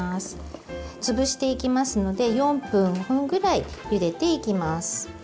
潰していきますので４分５分くらいゆでていきます。